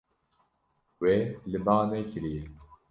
Wê li ba nekiriye.